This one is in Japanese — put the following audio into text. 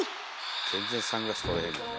全然サングラス取れへんよね。